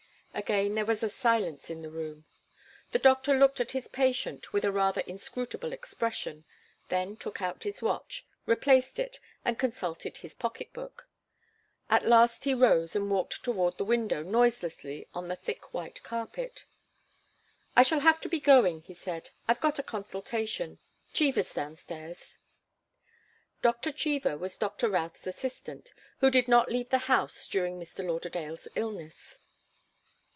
Again there was a silence in the room. The doctor looked at his patient with a rather inscrutable expression, then took out his watch, replaced it, and consulted his pocket book. At last he rose and walked toward the window noiselessly on the thick, white carpet. "I shall have to be going," he said. "I've got a consultation. Cheever's downstairs." Doctor Cheever was Doctor Routh's assistant, who did not leave the house during Mr. Lauderdale's illness.